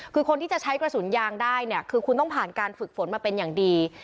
คือคนที่จะใช้กระสุนยางได้เนี่ยคือคุณต้องผ่านการฝึกฝนมาเป็นอย่างดี